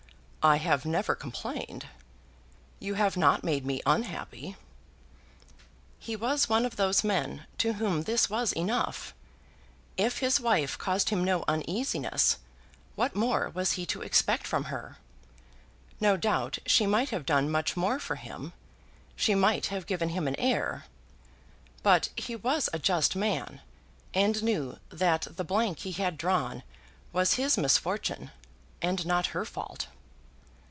"I have never complained. You have not made me unhappy." He was one of those men to whom this was enough. If his wife caused him no uneasiness, what more was he to expect from her? No doubt she might have done much more for him. She might have given him an heir. But he was a just man, and knew that the blank he had drawn was his misfortune, and not her fault.